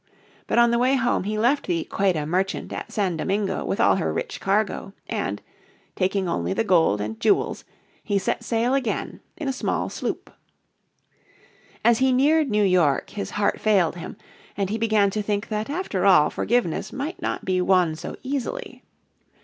But on the way home he left the Quedah Merchant at San Domingo with all her rich cargo and, taking only the gold and jewels, he set sail again in a small sloop. As he neared New York his heart failed him, and he began to think that after all forgiveness might not be won so easily.